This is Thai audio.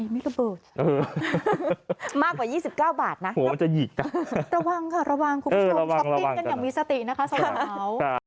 ไม่กระเบิดมากกว่า๒๙บาทนะระวังค่ะระวังคุณผู้ชมชอบกินกันอย่างมีสตินะคะสวัสดีครับ